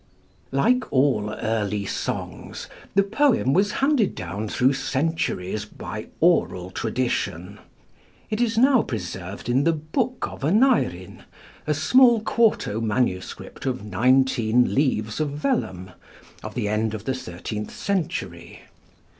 Like all early songs, the poem was handed down through centuries by oral tradition. It is now preserved in the 'Book of Aneurin,' a small quarto manuscript of nineteen leaves of vellum, of the end of the thirteenth century.